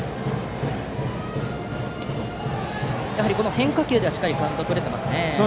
変化球ではしっかりカウントがとれていますね。